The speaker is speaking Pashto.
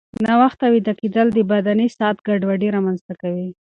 ناوخته ویده کېدل د بدني ساعت ګډوډي رامنځته کوي.